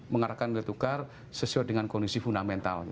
mengarahkan nilai tukar sesuai dengan kondisi fundamental